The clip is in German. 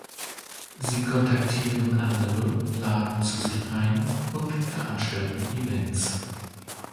Sie kontaktieren andere, laden zu sich ein und veranstalten Events.